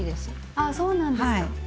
ああそうなんですか。